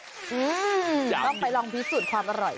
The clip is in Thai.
ต้องไปลองพิสูจน์ความอร่อย